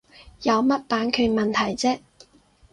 有乜版權問題啫